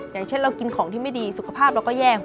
อย่างเช่นเรากินของที่ไม่ดีสุขภาพเราก็แย่ง